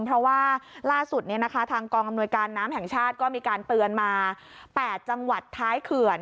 เพราะว่าล่าสุดทางกองอำนวยการน้ำแห่งชาติก็มีการเตือนมา๘จังหวัดท้ายเขื่อน